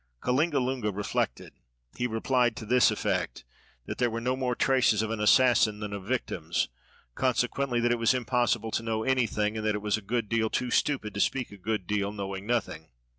Kalingalunga reflected. He replied to this effect: "That there were no more traces of an assassin than of victims, consequently that it was impossible to know anything, and that it was a good deal too stupid to speak a good deal knowing nothing."